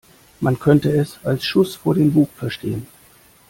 Man könnte es als Schuss vor den Bug verstehen.